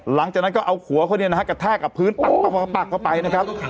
หลังจากนั้นก็เอาหัวเขาเนี่ยนะฮะกระแทกกับพื้นปักเข้าไปนะครับ